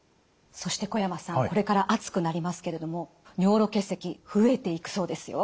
そして小山さんこれから暑くなりますけれども尿路結石増えていくそうですよ。